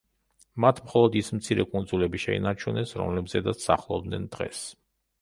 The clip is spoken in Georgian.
მათ მხოლოდ ის მცირე კუნძულები შეინარჩუნეს, რომლებზედაც სახლობენ დღეს.